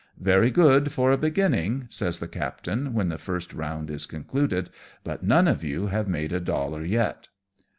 " Very good for a beginning," says the captain, when the first round is concluded, " but none of you have made a dollar yet."